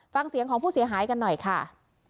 ฟังเสียงของผู้เสียหายกันหน่อยค่ะ